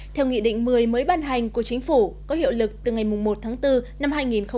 theo nghị định một mươi mới ban hành của chính phủ có hiệu lực từ ngày một tháng bốn năm hai nghìn hai mươi